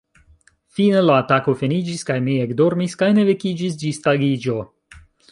Fine, la atako finiĝis, kaj mi ekdormis kaj ne vekiĝis ĝis tagiĝo.